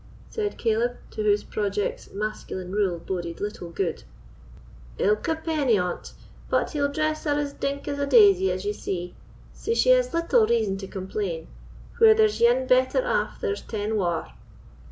said Caleb, to whose projects masculine rule boded little good. "Ilka penny on't; but he'll dress her as dink as a daisy, as ye see; sae she has little reason to complain: where there's ane better aff there's ten waur."